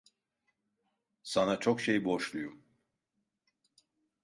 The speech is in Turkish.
Sana çok şey borçluyum.